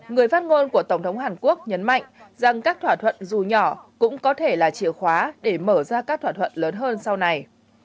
người phát ngôn của tổng thống hàn quốc nhấn mạnh rằng các thỏa thuận dù nhỏ cũng có thể là chìa khóa để mở ra các thỏa thuận lớn hơn sau này